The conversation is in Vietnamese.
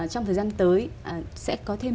trong thời gian tới sẽ có thêm